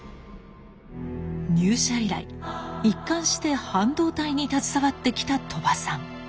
入社以来一貫して半導体に携わってきた鳥羽さん。